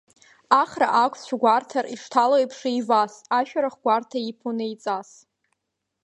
Ахра ақәцә угәарҭар, ишҭало еиԥш еивас, ашәарах гәарҭа иԥон еиҵас.